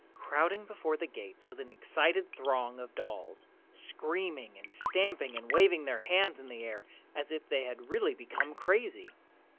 Crowding before the gates was an excited throng of dolls, screaming and stamping and waving their hands in the air as if they had really become crazy.